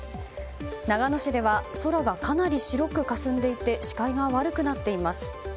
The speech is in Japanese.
長野市では空がかなり白くかすんでいて視界が悪くなっています。